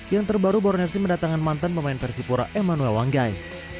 yang terbaru borne fc mendatangkan mantan pemain persipura emmanuel wanggai